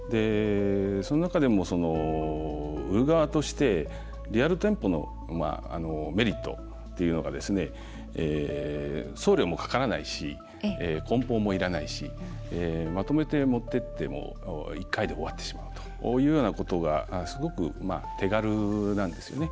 その中でも、売る側としてリアル店舗のメリットというのが送料もかからないしこん包もいらないしまとめて持っていっても１回で終わってしまうというようなことがすごく手軽なんですよね。